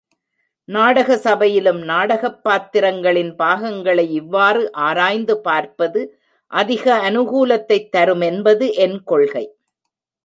நாடக சபையிலும் நாடகப் பாத்திரங்களின் பாகங்களை இவ்வாறு ஆராய்ந்து பார்ப்பது அதிக அனுகூலத்தைத் தரும் என்பது என் கொள்கை.